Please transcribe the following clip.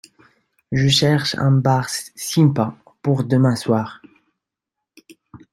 Je cherche un bar sympa pour demain soir.